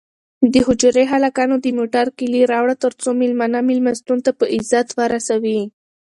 د حجرې هلکانو د موټر کیلي راوړه ترڅو مېلمانه مېلمستون ته په عزت ورسوي.